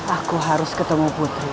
aku harus ketemu putri